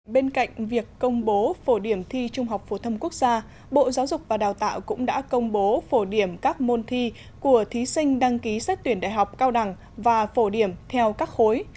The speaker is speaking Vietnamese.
bên cạnh việc công bố phổ điểm thi trung học phổ thông quốc gia bộ giáo dục và đào tạo cũng đã công bố phổ điểm các môn thi của thí sinh đăng ký xét tuyển đại học cao đẳng và phổ điểm theo các khối